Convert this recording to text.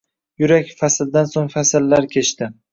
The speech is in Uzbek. Yurak, fasldan so‘ng fasllar kechdi